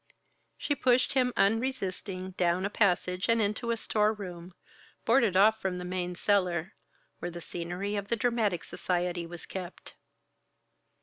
She pushed him unresisting down a passage and into a storeroom, boarded off from the main cellar, where the scenery of the dramatic society was kept.